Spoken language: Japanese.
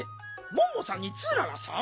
モンモさんにツーララさん？